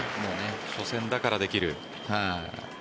初戦だからできる。